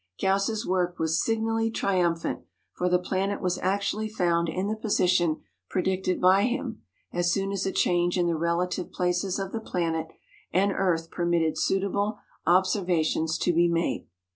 Gauss's work was signally triumphant, for the planet was actually found in the position predicted by him, as soon as a change in the relative places of the planet and earth permitted suitable observations to be made.